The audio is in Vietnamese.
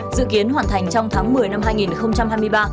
dự kiến hoàn thành trong tháng một mươi năm hai nghìn hai mươi ba